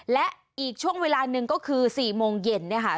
และอีกช่วงเวลาหนึ่งก็คือ๔โมงเย็นเนี่ยค่ะ